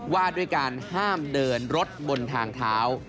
ว่าด้วยการห้ามเดินรถบนทางเท้า